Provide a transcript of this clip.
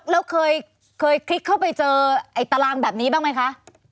แล้วเคยคลิกเข้าไปเจอไอ้ตารางแบบนี้บ้างไหมคะ